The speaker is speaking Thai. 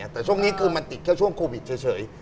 แต่ช่วงนี้คือมันติดแค่ช่วงโควิดเฉย